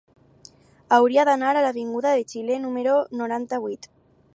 Hauria d'anar a l'avinguda de Xile número noranta-vuit.